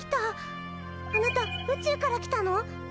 あなた宇宙から来たの？